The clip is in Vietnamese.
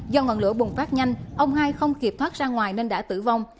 do ngọn lửa bùng phát nhanh ông hai không kịp thoát ra ngoài nên đã tử vong